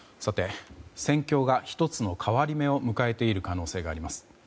戦況が１つの変わり目を迎えている可能性があります。